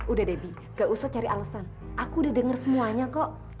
udah deh bibi nggak usah cari alesan aku udah dengar semuanya kok